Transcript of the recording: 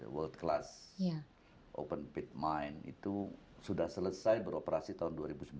world class open pit mind itu sudah selesai beroperasi tahun dua ribu sembilan belas